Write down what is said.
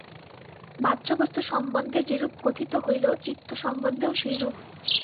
বাহ্যবস্তু সম্বন্ধে যেরূপ কথিত হইল, চিত্ত সম্বন্ধেও সেইরূপ।